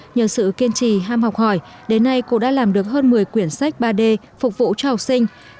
nhờ sự kiên trì ham học hỏi đến nay cô đã làm được hơn một mươi quyển sách ba d phục vụ cho học sinh